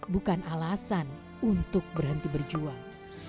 bukan alasan untuk berhenti berjuang